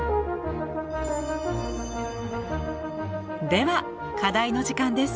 では課題の時間です。